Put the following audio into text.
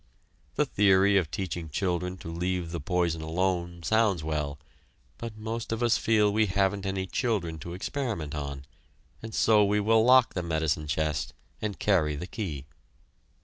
The theory of teaching children to leave the poison alone sounds well, but most of us feel we haven't any children to experiment on, and so we will lock the medicine chest and carry the key.